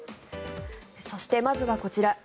そして、まずはこちら。